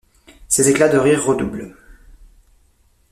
Ces éclats de rire redoublent.